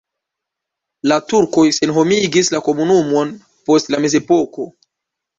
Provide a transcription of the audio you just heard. La turkoj senhomigis la komunumon post la mezepoko.